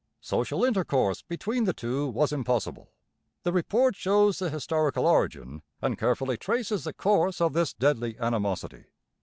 Social intercourse between the two was impossible. The Report shows the historical origin and carefully traces the course of this 'deadly animosity.'